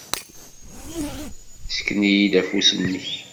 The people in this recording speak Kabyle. Ssken-iyi-d afus-nnek.